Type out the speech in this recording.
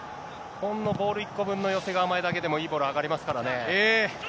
ほんのボール１個分の寄せが甘いだけでも、いいボールが上がりますからね。